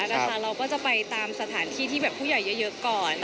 เราก็จะไปตามสถานที่ที่แบบผู้ใหญ่เยอะก่อน